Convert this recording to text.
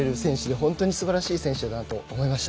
本当にすばらしい選手だなと思いました。